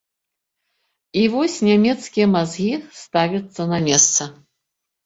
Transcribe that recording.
І вось нямецкія мазгі ставяцца на месца.